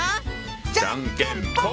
じゃんけんぽん！